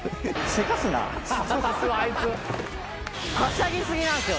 はしゃぎ過ぎなんすよ。